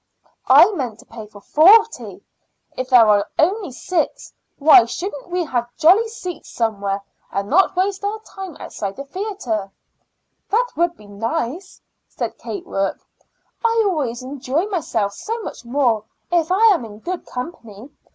"I meant to pay for forty. If there are only six, why shouldn't we have jolly seats somewhere, and not waste our time outside the theater?" "That would be nice," said Kate Rourke. "I always enjoy myself so much more if I am in good company.